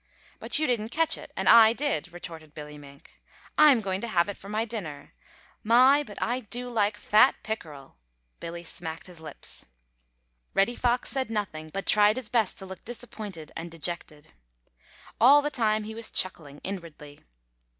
"But you didn't catch it and I did," retorted Billy Mink. "I'm going to have it for my dinner. My, but I do like fat pickerel!" Billy smacked his lips. Reddy Fox said nothing, but tried his best to look disappointed and dejected. All the time he was chuckling inwardly.